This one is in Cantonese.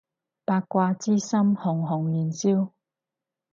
八卦之心熊熊燃燒